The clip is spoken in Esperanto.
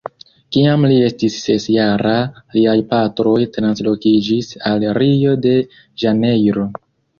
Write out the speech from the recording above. Kiam li estis ses-jara, liaj patroj translokiĝis al Rio-de-Ĵanejro.